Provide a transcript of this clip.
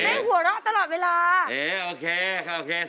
เอ๋ได้หัวเราะตลอดเวลาเอ๋โอเคค่ะโอเค